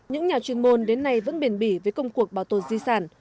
những nhà chuyên môn đến nay vẫn bền bỉ với công cuộc bảo tồn di sản